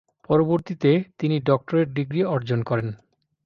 পরবর্তীতে তিনি doctorate degree অর্জন করেন।